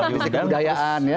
bisa kebudayaan ya